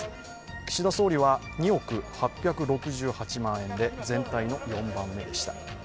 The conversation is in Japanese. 岸田総理は２億８６８万円で全体の４番目でした。